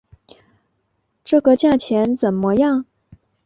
这个价钱怎么样？